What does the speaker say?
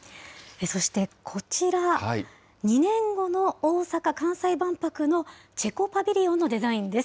そしてこちら、２年後の大阪・関西万博のチェコパビリオンのデザインです。